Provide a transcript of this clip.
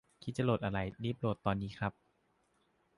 คิดจะโหลดอะไร รีบโหลดตอนนี้ครับ